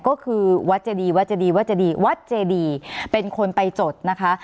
ก็คือวัดเจดีวัดเจดีวัดเจดีวัดเจดีเป็นคนไปจดนะคะ